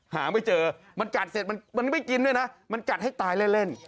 หาไม่เจอมันกัดเสร็จมันไม่กินด้วยนะมันกัดให้ตายเล่น